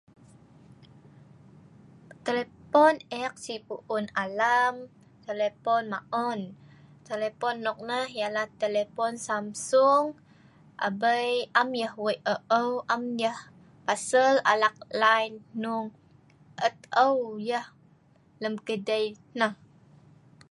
Telepon ek si pu un alam, telepon maon. Telepon noknah ialah telepon Samsung abei am yah wei' eu'-eu' am yah pasel alak lain hnong et eu yah lem kidei. Hnah